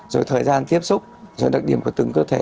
rồi thời gian tiếp xúc rồi đặc điểm của từng cơ thể